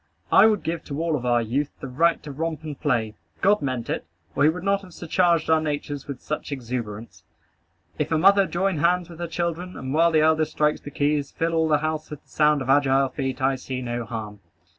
I would give to all of our youth the right to romp and play. God meant it, or he would not have surcharged our natures with such exuberance. If a mother join hands with her children, and while the eldest strikes the keys, fill all the house with the sound of agile feet, I see no harm.